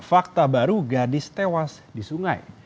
fakta baru gadis tewas di sungai